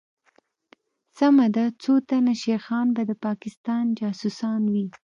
سمه ده څوتنه شيخان به دپاکستان جاسوسان وي